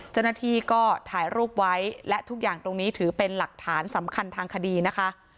เจ้าหน้าที่ก็ถ่ายรูปไว้และทุกอย่างตรงนี้ถือเป็นหลักฐานสำคัญทางคดีนะคะ